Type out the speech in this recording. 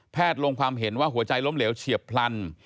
ลงความเห็นว่าหัวใจล้มเหลวเฉียบพลัน